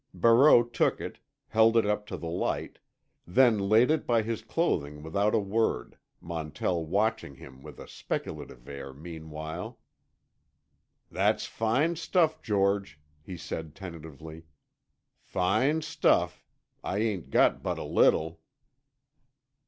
Barreau took it, held it up to the light, then laid it by his clothing without a word; Montell watching him with a speculative air, meanwhile. "That's fine stuff, George," he said tentatively. "Fine stuff. I ain't got but a little."